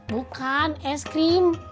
bukan es krim